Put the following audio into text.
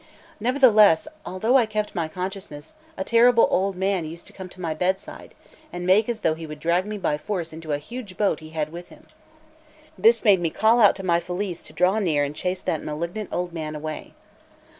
Nevertheless, although I kept my consciousness, a terrible old man used to come to my bedside, and make as though he would drag me by force into a huge boat he had with him. This made me call out to my Felice to draw near and chase that malignant old man away.